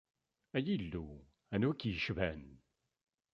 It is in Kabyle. Ay Illu, anwa i k-icban?